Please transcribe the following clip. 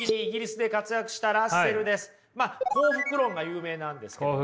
「幸福論」が有名なんですけどね。